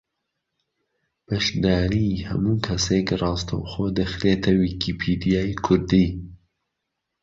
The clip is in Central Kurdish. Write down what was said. بەشداریی ھەموو کەسێک ڕاستەوخۆ دەخرێتە ویکیپیدیای کوردی